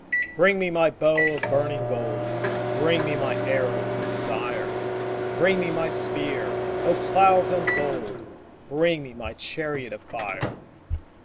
Bring me my bow of burning gold: Bring me my arrows of desire: Bring me my spear: O clouds unfold! Bring me my chariot of fire.